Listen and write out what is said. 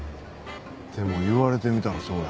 でも言われてみたらそうや。